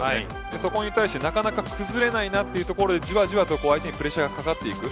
そこに対してなかなか崩れないところでじわじわと相手にプレッシャーがかかっていく